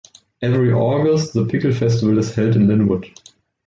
Every August, the Pickle Festival is held in Linwood.